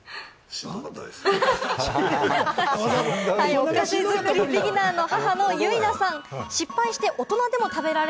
お菓子作りビギナーの母の唯奈さん。